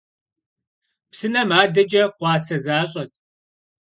Псынэм адэкӀэ къуацэ защӀэт.